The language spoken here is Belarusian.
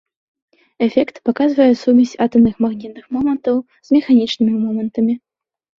Эфект паказвае сувязь атамных магнітных момантаў з механічнымі момантамі.